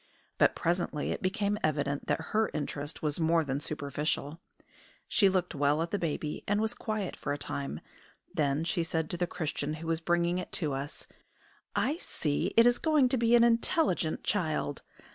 But presently it became evident that her interest was more than superficial. She looked well at the baby and was quiet for a time; then she said to the Christian who was bringing it to us: "I see it is going to be an intelligent child.